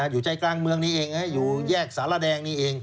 อยู่ใจกลางเมืองนี้เองอยู่แยกสารแดงนี้เอง